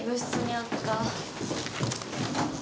あっ。